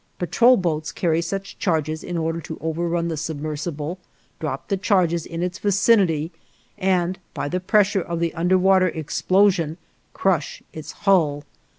Patrol boats carry such charges in order to overrun the submersible, drop the charges in its vicinity, and by the pressure of the underwater explosion crush its hull.